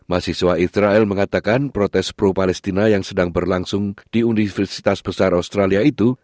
mahasiswa israel mengatakan protes pro palestina yang sedang berlangsung di universitas besar australia itu